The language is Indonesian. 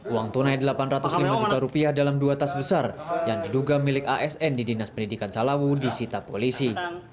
uang tunai rp delapan ratus lima juta rupiah dalam dua tas besar yang diduga milik asn di dinas pendidikan salawu disita polisi